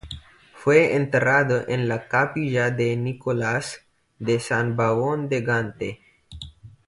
Fue enterrado en la Capilla de Nicolás de San Bavón de Gante.